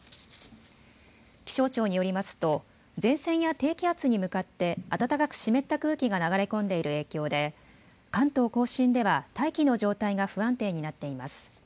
気象庁によりますと前線や低気圧に向かって暖かく湿った空気が流れ込んでいる影響で関東甲信では大気の状態が不安定になっています。